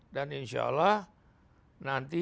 dan insya allah nanti